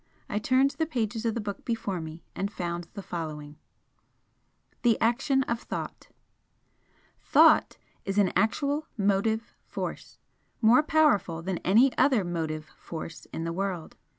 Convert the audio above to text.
I turned the pages of the book before me, and found the following: THE ACTION OF THOUGHT "Thought is an actual motive Force, more powerful than any other motive force in the world.